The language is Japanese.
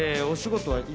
お仕事は？